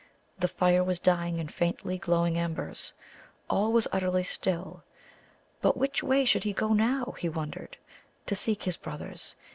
The fire was dying in faintly glowing embers. All was utterly still. But which way should he go now, he wondered, to seek his brothers?